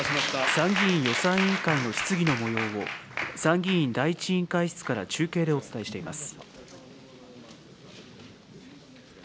参議院予算委員会の質疑のもようを、参議院第１委員会室から中継でお伝えしています。